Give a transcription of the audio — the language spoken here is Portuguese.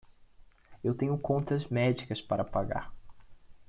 Eu tenho contas médicas para pagar.